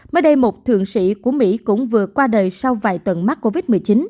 mới đây một thượng sĩ của mỹ cũng vừa qua đời sau vài tuần mắc covid một mươi chín